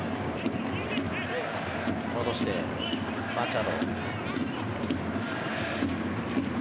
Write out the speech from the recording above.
戻してマチャド。